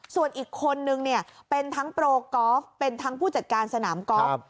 ส่วนอีกคนนึงเนี่ยเป็นทั้งโปรกอล์ฟเป็นทั้งผู้จัดการสนามกอล์ฟ